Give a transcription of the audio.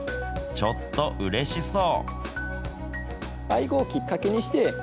ちょっとうれしそう。